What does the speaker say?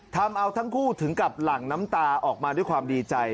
ทำเอาทั้งคู่ถึงกับหลั่งน้ำตาออกมาด้วยความดีใจ